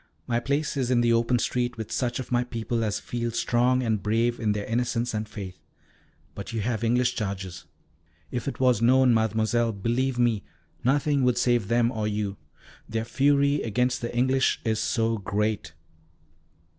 "My place is in the open street with such of my people as feel strong and brave in their innocence and faith. But you have English charges. If it was known, Mademoiselle, believe me, nothing would save them or you. Their fury against the English is so great."